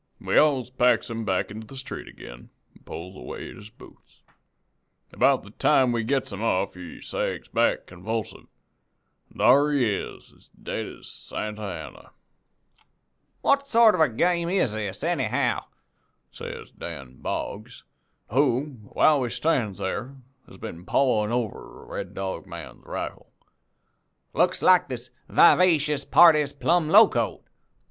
"We alls packs him back into the street ag'in, an' pulls away at his boots. About the time we gets 'em off he sags back convulsive, an' thar he is as dead as Santa Anna. "'What sort of a game is this, anyhow?' says Dan Boggs, who, while we stands thar, has been pawin' over the Red Dog man's rifle. 'Looks like this vivacious party's plumb locoed.